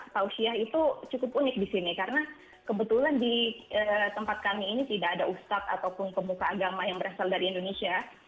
tausiyah itu cukup unik di sini karena kebetulan di tempat kami ini tidak ada ustadz ataupun pemuka agama yang berasal dari indonesia